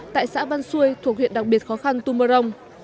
tại xã văn xôi thuộc huyện đặc biệt khó khăn tumorong